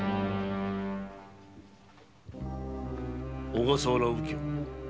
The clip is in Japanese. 小笠原右京。